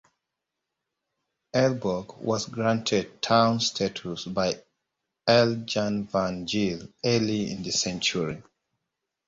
Elburg was granted town status by Earl Jan van Geel early in the century.